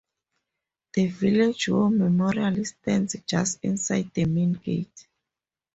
The village war memorial stands just inside the main gate.